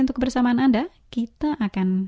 untuk kebersamaan anda kita akan